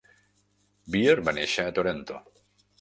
Beer va néixer a Toronto.